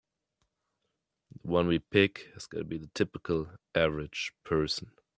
The one we pick has gotta be the typical average person.